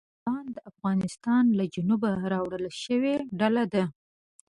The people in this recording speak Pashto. طالبان د افغانستان له جنوبه راولاړه شوې ډله ده.